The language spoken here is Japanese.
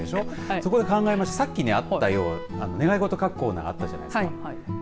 そこで考えましてさっきあったような願い事書くコーナーあったじゃないですか。